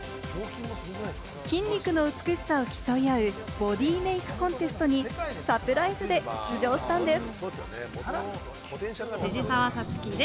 筋肉の美しさを競い合うボディメイクコンテストにサプライズで出場したんです。